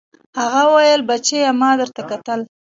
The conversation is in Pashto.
هغه وويل بچيه ما درته کتل.